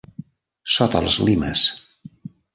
Sota els limes.